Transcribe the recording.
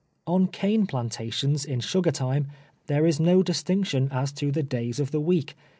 On cane plantations in sugar time, there is no dis tinction as to the days of the week.